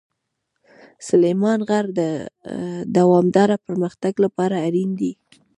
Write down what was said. سلیمان غر د دوامداره پرمختګ لپاره اړین دی.